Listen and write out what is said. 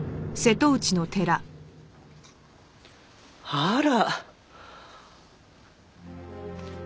あら！